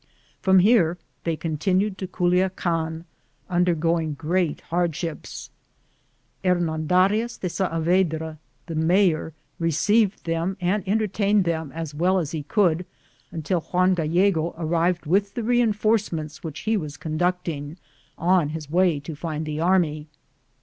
From here they continued to Culiacan, undergoing great hardships. Hernandarias de Saabedra, the mayor, received them and entertained them as well as he could until Juan Gallego ar rived with the reinforcements which he was conducting, on his way to find the army.